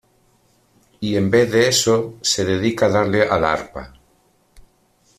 y en vez de eso, se dedica a darle al arpa.